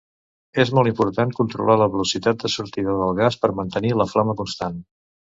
És molt important controlar la velocitat de sortida del gas per mantenir la flama constant.